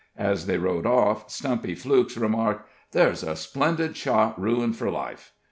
As they rode off, Stumpy Flukes remarked: "There's a splendid shot ruined for life."